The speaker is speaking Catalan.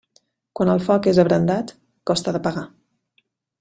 Quan el foc és abrandat, costa d'apagar.